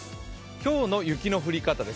今日の雪の降り方です